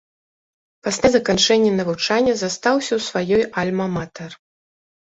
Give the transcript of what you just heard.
Пасля заканчэння навучання застаўся ў сваёй альма-матэр.